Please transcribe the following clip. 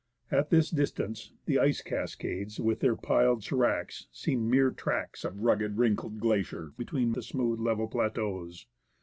At this distance the ice cas cades, with their piled sdracs, seem mere tracts of rugged, wrinkled glacier between the smooth, level plateaux.